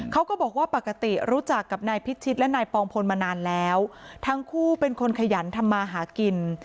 เขาก็บอกว่าปกติรู้จักกับนายพิชิตและนายปองพลมานานแล้วทั้งคู่เป็นคนขยันทำมาหากิน